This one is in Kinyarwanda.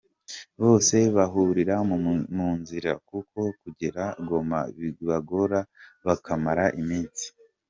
bose bahurira mu nzira, kuko kugera Goma bibagora bakamara iminsi.